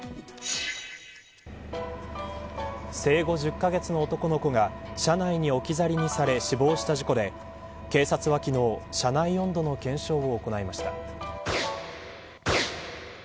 生後１０カ月の男の子が車内に置き去りにされ死亡した事故で警察は昨日車内温度の検証を行いました。